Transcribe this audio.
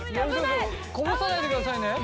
こぼさないでくださいね。